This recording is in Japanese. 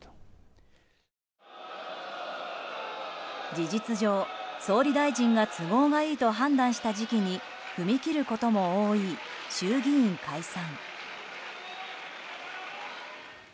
事実上、総理大臣が都合がいいと判断した時期に踏み切ることも多い衆議院解散。